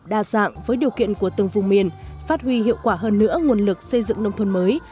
đa dạng với điều kiện của từng vùng miền phát huy hiệu quả hơn nữa nguồn lực xây dựng nông thôn mới